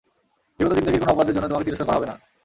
বিগত জিন্দেগীর কোন অপরাধের জন্য তোমাকে তিরস্কার করা হবে না।